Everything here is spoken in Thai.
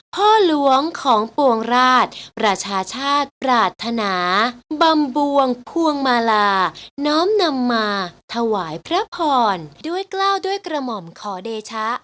พ่อหลวงของปวงราชประชาชาติปรารถนาบำบวงควงมาลาน้อมนำมาถวายพระพรด้วยกล้าวด้วยกระหม่อมขอเดชะ